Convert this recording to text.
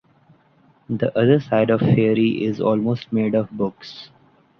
The other side of Fairey is almost made of books.